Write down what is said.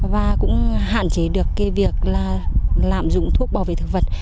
và cũng hạn chế được cái việc là lạm dụng thuốc bảo vệ thực vật